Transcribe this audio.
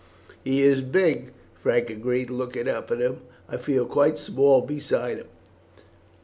"He is big," Frank agreed, looking up at him. "I feel quite small beside him.